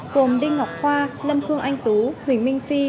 gồm đinh ngọc khoa lâm phương anh tú huỳnh minh phi